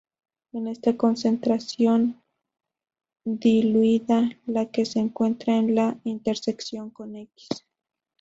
Es esta concentración diluida la que se encuentra en la intersección con x.